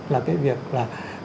là cái việc là